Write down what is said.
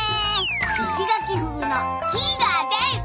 イシガキフグのキィガーです！